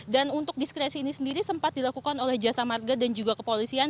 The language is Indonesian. dan untuk diskresi ini sendiri sempat dilakukan oleh jasa marga dan juga kepolisian